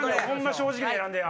正直に選んでや。